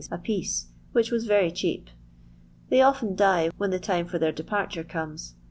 a piece, which was rery They often die when the time for their tare comes.